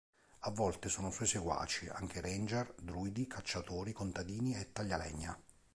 A volte sono suoi seguaci anche ranger, druidi, cacciatori, contadini e taglialegna.